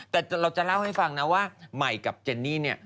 แต่เราจะเล่าให้ฟังนะว่าใหม่กับเจนนี่เนี่ย